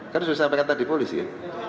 kan sudah disampaikan tadi polisi ya